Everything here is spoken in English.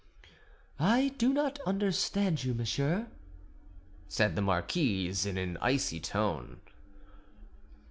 "I do not understand you, monsieur," said the marquise in an icy tone.